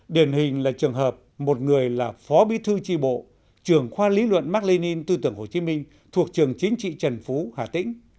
điển hình là trường hợp một người là phó bí thư tri bộ trường khoa lý luận mạc lê ninh tư tưởng hồ chí minh thuộc trường chính trị trần phú hà tĩnh